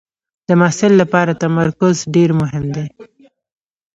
د محصل لپاره تمرکز ډېر مهم دی.